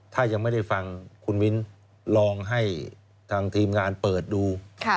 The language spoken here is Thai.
ถ้ายังไม่ได้ฟังคุณมิ้นลองให้ทางทีมงานเปิดดู